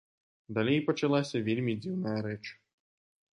Далей пачалася вельмі дзіўная рэч.